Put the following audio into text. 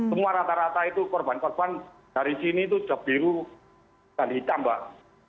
semua rata rata itu korban korban dari sini itu sudah biru dan hitam mbak